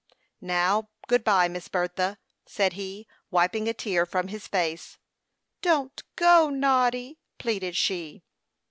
"Now, good bye, Miss Bertha," said he, wiping a tear from his face. "Don't go, Noddy," pleaded she.